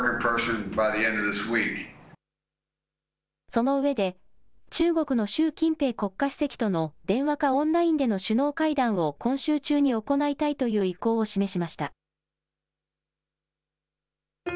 その上で、中国の習近平国家主席との電話かオンラインでの首脳会談を今週中に行いたいという意向を示しました。